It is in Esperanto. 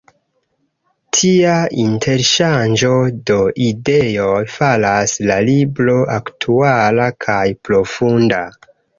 Tia interŝanĝo de ideoj faras la libro aktuala kaj profunda.